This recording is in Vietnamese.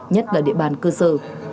nhất là địa bàn cơ sở